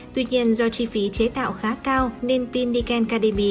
tuy nhiên do chi phí chế tạo khá cao nên pin niken cademy